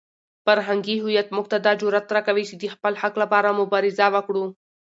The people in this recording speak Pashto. فرهنګي هویت موږ ته دا جرئت راکوي چې د خپل حق لپاره مبارزه وکړو.